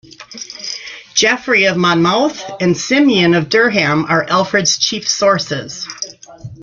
Geoffrey of Monmouth and Simeon of Durham are Alfred's chief sources.